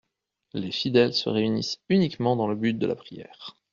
Les fidèles se réunissent uniquement dans le but de la prière.